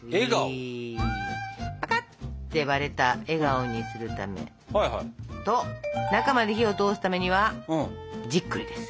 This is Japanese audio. ぱかって割れた笑顔にするためと中まで火を通すためにはじっくりです。